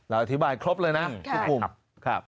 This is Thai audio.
เราอธิบายครบเลยนะทุกคลุม